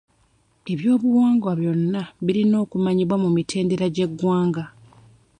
Eby'obuwangwa byonna birina okumanyibwa ku mutendera gw'eggwanga.